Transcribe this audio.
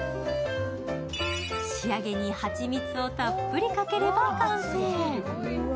仕上げに蜂蜜をたっぷりかければ完成。